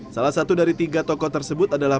salah satu dari tiga tokoh tersebut adalah